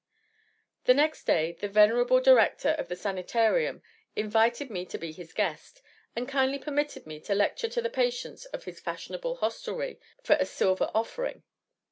Next day the venerable director of the Sanitarium invited me to be his guest, and kindly permitted me to lecture to the patients of his fashionable hostelry for a silver offering.